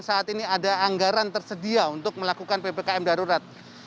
saat ini ada anggaran tersedia untuk melakukan ppkm darurat